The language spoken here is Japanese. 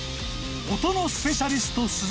［音のスペシャリスト］